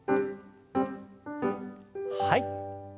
はい。